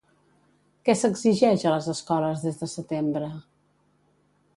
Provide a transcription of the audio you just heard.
Què s'exigeix a les escoles des de setembre?